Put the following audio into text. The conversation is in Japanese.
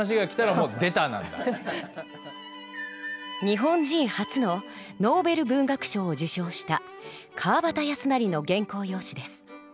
日本人初のノーベル文学賞を受賞した川端康成の原稿用紙です。